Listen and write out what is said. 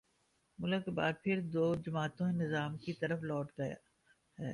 ملک ایک بار پھر دو جماعتی نظام کی طرف لوٹ گیا ہے۔